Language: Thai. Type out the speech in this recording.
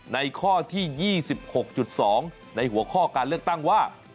ในข้อที่๒๖๒ในหัวข้อการเลือกตั้งว่า